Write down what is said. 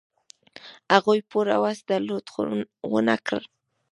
هغوی پوره وس درلود، خو و نه کړ.